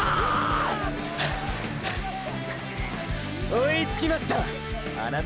追いつきました！！